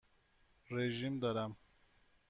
رژیم دارم.